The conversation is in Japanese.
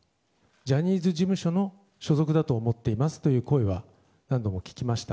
ジャニーズ事務所の所属だと思っていますという声は何度も聞きました。